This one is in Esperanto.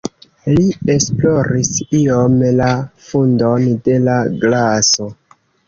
Li esploris iom la fundon de la glaso.